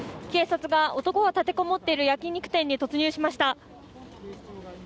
警察が男が立て籠もっている焼き肉店に突入しました。